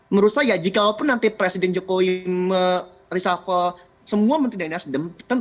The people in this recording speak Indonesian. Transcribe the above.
menurut saya jikalau pun nanti presiden jokowi merisafal semua men tendensius